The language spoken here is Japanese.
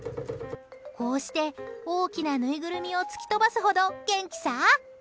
こうして、大きなぬいぐるみを突き飛ばすほど、元気さ！